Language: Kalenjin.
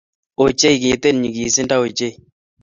Ochei, kitil nyigisindo ochei!